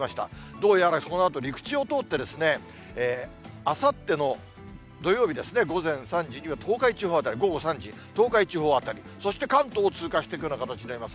どうやらこのあと、陸地を通って、あさっての土曜日ですね、午前３時には東海地方辺り、午後３時、東海地方辺り、そして関東を通過していくような形になります。